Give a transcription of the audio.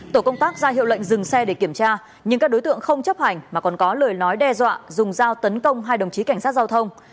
tổ công tác ra hiệu lệnh dừng xe để kiểm tra nhưng các đối tượng không chấp hành mà còn có lời nói đe dọa dùng dao tấn công hai đồng chí cảnh sát giao thông